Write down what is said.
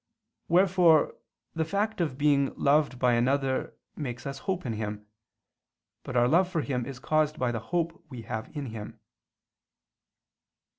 Wherefore the fact of being loved by another makes us hope in him; but our love for him is caused by the hope we have in him.